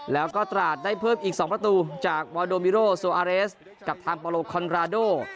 แล้วก็ตราดได้เพิ่มอีก๒ประตูจากมอโดมิโรโซอาเรสกับทางโปโลคอนราโด